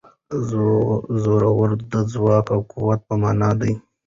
زور د ځواک او قوت په مانا دی.